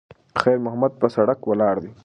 خیر محمد پر سړک ولاړ دی.